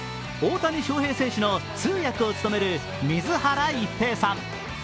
大谷翔平選手の通訳を務める水原一平さん。